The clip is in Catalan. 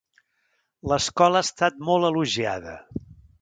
L'escola ha estat molt elogiada.